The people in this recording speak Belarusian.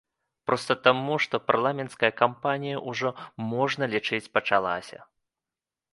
Проста таму, што парламенцкая кампанія ўжо, можна лічыць, пачалася.